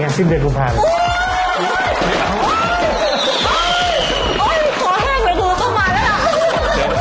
ไออย่าขอแฮงเลยต้องมาแล้วนะ